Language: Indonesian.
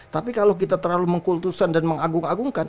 tapi kalau kita terlalu mengkultusan dan mengagung agungkan